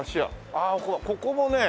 ああここもね